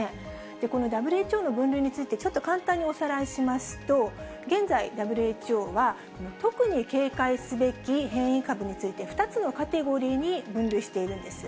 このＷＨＯの分類について、ちょっと簡単におさらいしますと、現在、ＷＨＯは、この特に警戒すべき変異株について、２つのカテゴリーに分類しているんです。